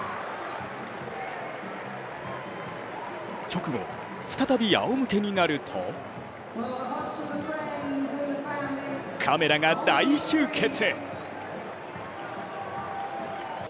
直後、再びあおむけになるとカメラが大集結。